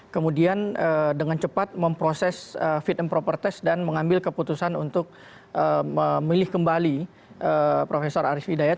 kemudian dengan cepat memproses fit and proper test dan mengambil keputusan untuk memilih kembali profesor arief hidayat